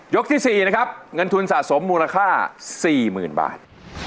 ที่๔นะครับเงินทุนสะสมมูลค่า๔๐๐๐บาท